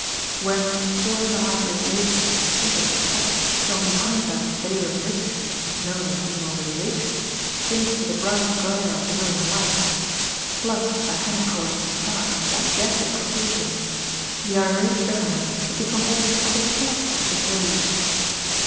When, four and a half years later, Peters had stepped from behind that veil of mystery known as Demobilisation into the bright glare of civilian life, plus a henna coloured moustache of gigantic propor tions, the irate baronet had become almost apoplectic with rage.